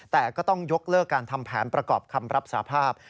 แต่ก็ต้องยกเลิกการทำแผนประกอบคำรับสาภาพ